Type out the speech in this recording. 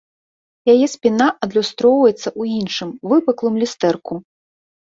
Яе спіна адлюстроўваецца ў іншым, выпуклым, люстэрку.